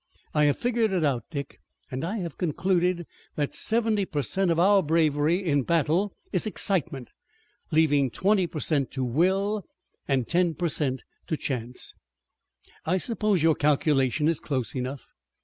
I have figured it out, Dick, and I have concluded that seventy per cent of our bravery in battle is excitement, leaving twenty per cent to will and ten per cent to chance." "I suppose your calculation is close enough."